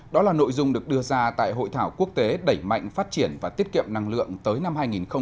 đó là nội dung được đưa ra tại hội thảo quốc tế đẩy mạnh phát triển và tiết kiệm năng lượng tới năm hai nghìn ba mươi